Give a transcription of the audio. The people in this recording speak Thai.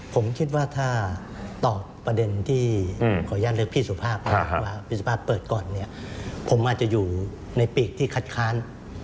ผมคิดว่าถ้าตอบประเด็นที่ขออนุญาตเรียกพี่สุภาพว่าพี่สุภาพเปิดก่อนเนี่ยผมอาจจะอยู่ในปีกที่คัดค้าน